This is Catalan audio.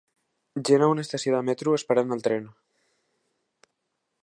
Gent a una estació de metro esperant el tren.